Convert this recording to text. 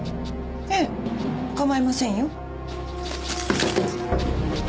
ええかまいませんよ。